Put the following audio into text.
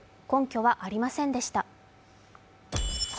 根拠はありませんでした。